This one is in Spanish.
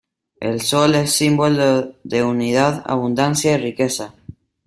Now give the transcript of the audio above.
El sol es símbolo de unidad, abundancia y riqueza.